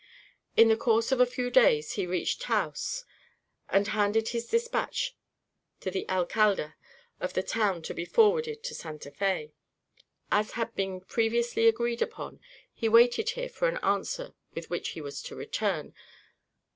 In the course of a few days he reached Taos and handed his dispatch to the Alcalde of the town to be forwarded to Santa Fé. As had been previously agreed upon, he waited here for an answer with which he was to return.